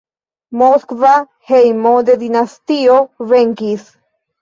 Moskva hejmo de dinastio venkis.